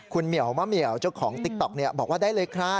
คุณเหมียวมะเหมียวเจ้าของติ๊กต๊อกบอกว่าได้เลยครับ